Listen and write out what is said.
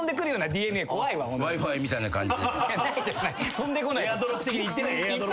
飛んでこない。